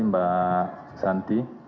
terima kasih mbak santi